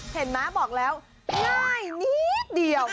เห็นไหมบอกแล้วง่ายนิดเดียว